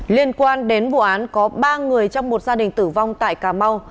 liên quan đến vụ án có ba người trong một gia đình tử vong tại cà mau